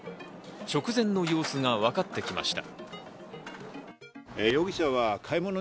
直前の様子がわかってきました。